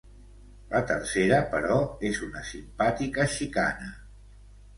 La tercera, però, és una simpàtica xicana.